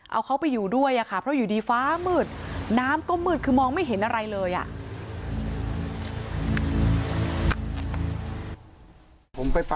เอาเขาไปอยู่ด้วยอะค่ะเพราะอยู่ดีฟ้ามืดน้ำก็มืดคือมองไม่เห็นอะไรเลยอ่ะ